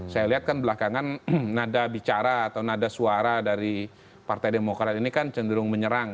saya lihat kan belakangan nada bicara atau nada suara dari partai demokrat ini kan cenderung menyerang